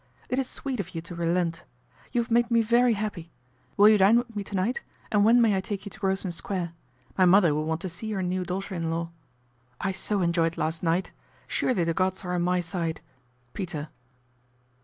It is sweet of you to relent. You have made me very happy. Will you dine with me to night and when may I take you to Grosvenor Square ? My mother will want to see her new daughter in law. " I so enjoyed last night. Surely the gods are on my side. "PETER."